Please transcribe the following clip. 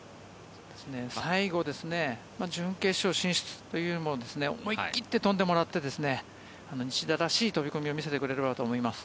最後準決勝進出というよりも思い切って飛んでもらって西田らしい飛込を見せてもらえればと思います。